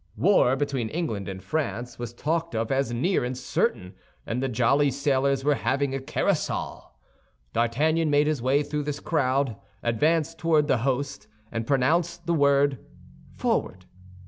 War between England and France was talked of as near and certain, and the jolly sailors were having a carousal. D'Artagnan made his way through the crowd, advanced toward the host, and pronounced the word "Forward!"